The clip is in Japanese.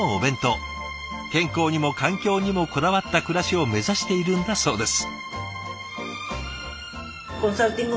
健康にも環境にもこだわった暮らしを目指しているんだそうです。